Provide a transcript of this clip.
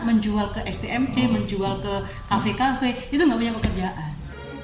menjual ke stmc menjual ke kafe kafe itu nggak punya pekerjaan